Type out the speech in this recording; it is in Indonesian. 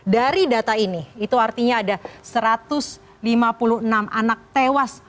dari data ini itu artinya ada satu ratus lima puluh enam anak tewas